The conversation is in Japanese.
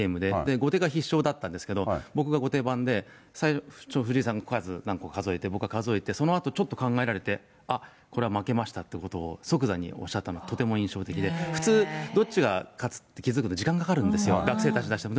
後手が必勝だったんですけど、僕が後手番で、最初藤井さんが数何個か数えて、僕が数えて、そのあとちょっと考えられて、あっ、これは負けましたということを、即座におっしゃったの、とても印象的で、普通、どっちが勝つって気付くの時間かかるんですよ、学生たちに出しても。